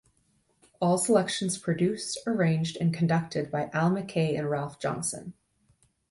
All selections produced, arranged, and conducted by Al McKay and Ralph Johnson.